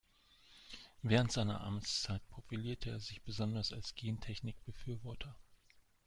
Während seiner Amtszeit profilierte er sich besonders als Gentechnik-Befürworter.